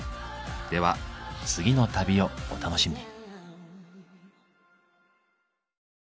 では次の旅をお楽しみに。